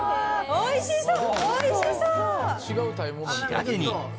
おいしそう！